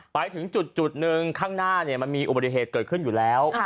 ไปถึงจุดหนึ่งข้างหน้ามันมีอุบัติเหตุเกิดขึ้นอยู่แล้ว